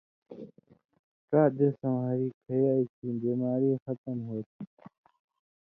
ڇا دیسؤں ہریۡ کھیائ کھیں بیماری ختم ہوتھی۔